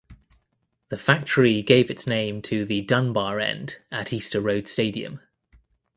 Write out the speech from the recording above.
The factory gave its name to the "Dunbar End" at Easter Road Stadium.